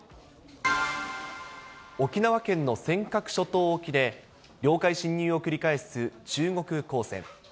沖縄県の尖閣諸島沖で、領海侵入を繰り返す中国公船。